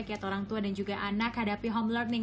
kiat orang tua dan juga anak hadapi home learning